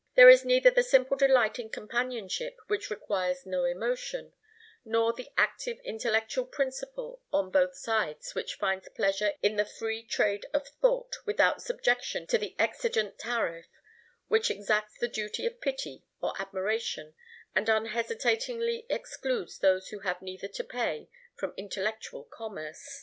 There is neither the simple delight in companionship which requires no emotion, nor the active intellectual principle on both sides which finds pleasure in the free trade of thought without subjection to the exigent tariff which exacts the duty of pity or admiration and unhesitatingly excludes those who have neither to pay, from intellectual commerce.